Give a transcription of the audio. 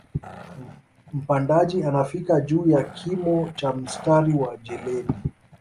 Mpandaji anafika juu ya kimo cha mstari wa jeledi